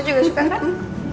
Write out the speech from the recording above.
lo juga suka kan